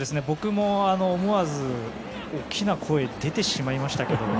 僕も思わず大きな声が出てしまいました。